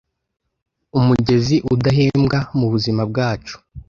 Umugezi udahembwa mubuzima bwacu